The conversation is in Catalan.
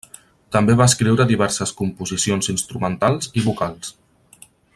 També va escriure diverses composicions instrumentals i vocals.